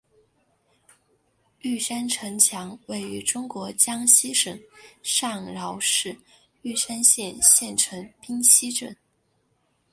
玉山城墙位于中国江西省上饶市玉山县县城冰溪镇。